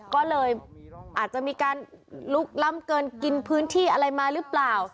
ก็เลยอาจจะมีการลุกล้ำเกินกินพื้นที่อะไรมาหรือเปล่า